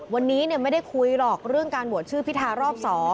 วันนี้ไม่ได้คุยหรอกเรื่องการโหวตชื่อพิธารอบ๒